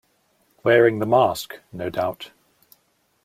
Wearing the mask, no doubt.